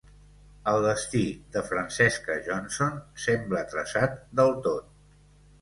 El destí de Francesca Johnson sembla traçat del tot.